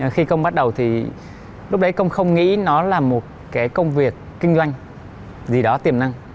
khi công bắt đầu thì lúc đấy công không nghĩ nó là một cái công việc kinh doanh gì đó tiềm năng